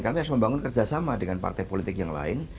kami harus membangun kerjasama dengan partai politik yang lain